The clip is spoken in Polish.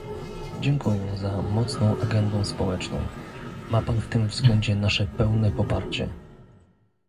Dziękuję za mocną agendę społeczną - ma pan w tym względzie nasze pełne poparcie